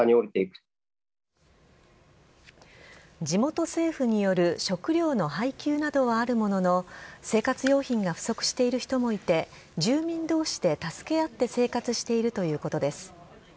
地元政府による食料の配給などはあるものの生活用品が不足している人もいて住民同士で助け合って生活しているということです。